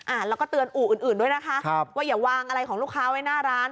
แล้วก็เตือนอู่อื่นอื่นด้วยนะคะครับว่าอย่าวางอะไรของลูกค้าไว้หน้าร้าน